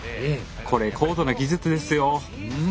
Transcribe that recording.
これ高度な技術ですよ！